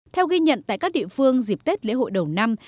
theo ghi nhận tại các địa phương dịp tết lễ hội đầu năm